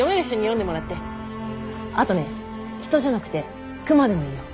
あとね人じゃなくて熊でもいいよ！